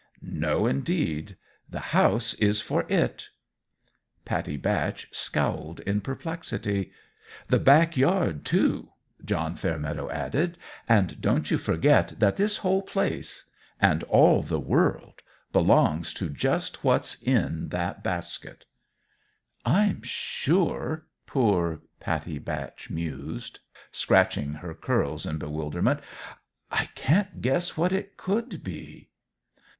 "No, indeed; the house is for it." Pattie Batch scowled in perplexity. "The back yard, too," John Fairmeadow added; "and don't you forget that this whole place and all the world belongs to just what's in that basket." "I'm sure," poor Pattie Batch mused, scratching her curls in bewilderment, "I can't guess what it could be."